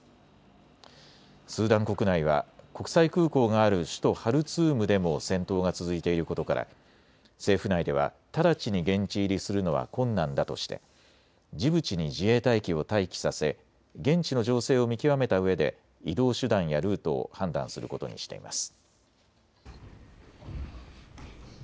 スーダン国内は国際空港がある首都ハルツームでも戦闘が続いていることから政府内では直ちに現地入りするのは困難だとしてジブチに自衛隊機を待機させ現地の情勢を見極めたうえで移動手段やルートを判断することにしています。